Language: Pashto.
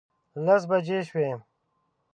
لس بجې شوې.